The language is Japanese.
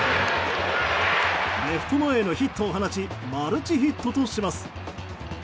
レフト前へのヒットを放ちマルチヒットとします。